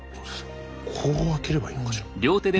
こう開ければいいのかしら？